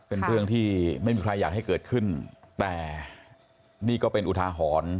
เป็นเรื่องที่ไม่มีใครอยากให้เกิดขึ้นแต่นี่ก็เป็นอุทาหรณ์